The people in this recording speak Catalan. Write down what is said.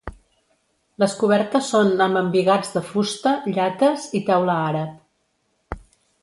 Les cobertes són amb embigats de fusta, llates i teula àrab.